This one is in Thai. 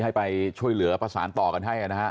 ให้ไปช่วยเหลือประสานต่อกันให้นะฮะ